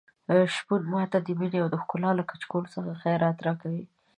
شپون ماته د مينې او ښکلا له کچکول څخه خیرات راکوي.